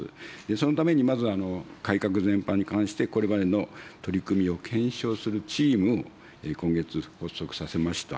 そのために、まず改革全般に関して、これまでの取り組みを検証するチームを今月発足させました。